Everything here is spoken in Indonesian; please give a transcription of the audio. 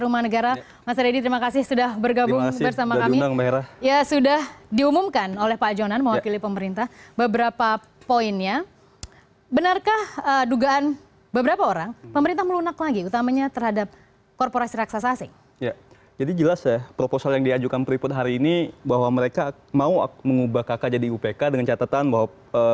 mengajukan freeport hari ini bahwa mereka mau mengubah kk jadi iupk dengan catatan bahwa